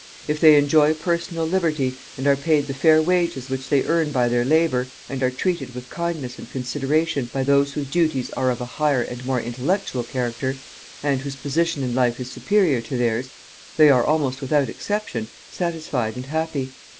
If they enjoy personal liberty, and are paid the fair wages which they earn by their labor, and are treated with kindness and consideration by those whose duties are of a higher and more intellectual character, and whose position in life is superior to theirs, they are, almost without exception, satisfied and happy.